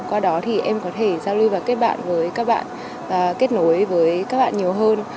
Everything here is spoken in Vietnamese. qua đó thì em có thể giao lưu và kết bạn với các bạn kết nối với các bạn nhiều hơn